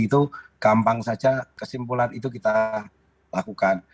itu gampang saja kesimpulan itu kita lakukan